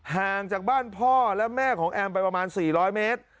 ห่างจากบ้านพ่อและแม่ของแอมไปประมาณ๔๐๐เมตร